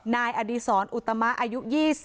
นายอดีศรอุตมะอายุ๒๐